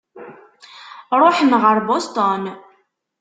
Ṛuḥen ɣer Boston.